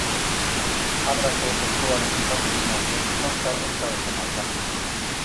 Abrako golkoarekin bat egin arte, kosta ez da oso malkartsua.